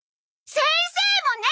先生もね！